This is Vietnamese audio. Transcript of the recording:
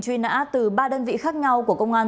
truy nã từ ba đơn vị khác nhau của công an